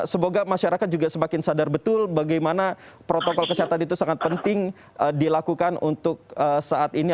semoga masyarakat juga semakin sadar betul bagaimana protokol kesehatan itu sangat penting dilakukan untuk saat ini